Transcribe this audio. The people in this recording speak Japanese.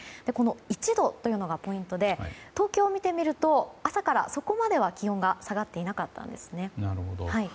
この１度というのがポイントで東京を見てみると朝からそこまでは気温が下がっていなかったんですね。